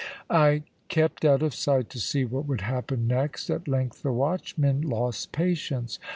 "I kept out of sight to see what would happen next. At length the watchmen lost patience.